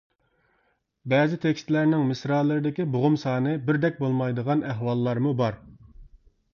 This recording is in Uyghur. بەزى تېكىستلەرنىڭ مىسرالىرىدىكى بوغۇم سانى بىردەك بولمايدىغان ئەھۋاللارمۇ بار.